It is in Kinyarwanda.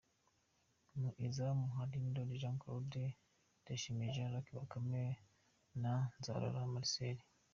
Mu izamu hari Ndoli Jean Claude, Ndayishimiye Jean Luc Bakame na Nzarora Marcel.